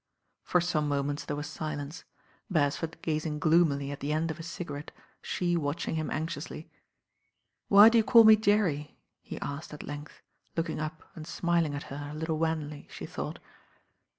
For some moments there was silence, Beresford gazing gloomily at the end of his cigarette, she watching him anxiously. "Why do you call me Jerry?" he asked at length, looking up and smiling at her a little wanly, she thought.